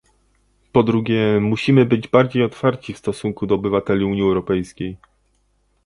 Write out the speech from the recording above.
Po drugie, musimy być bardziej otwarci w stosunku do obywateli Unii Europejskiej